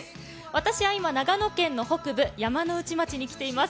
私は今、長野県の北部・山ノ内町に来ています。